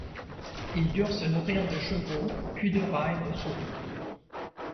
Ils durent se nourrir de chevaux puis de rats et de souris.